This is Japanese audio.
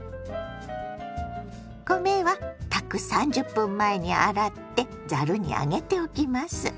米は炊く３０分前に洗ってざるに上げておきます。